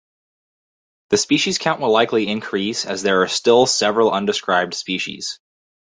The species count will likely increase as there are still several undescribed species.